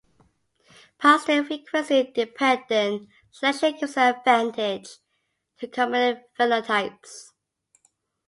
Positive frequency-dependent selection gives an advantage to common phenotypes.